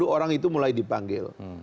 orang itu mulai dipanggil